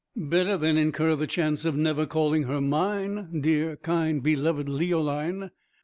"Better than incur the chance of never calling her mine. Dear, kind, beloved Leoline!"